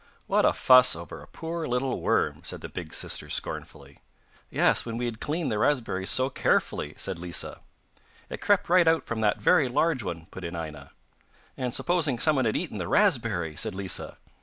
'What a fuss over a poor little worm!' said the big sister scornfully. 'Yes, when we had cleaned the raspberries so carefully,' said Lisa. 'It crept out from that very large one,' put in Aina. 'And supposing someone had eaten the raspberry,' said Lisa.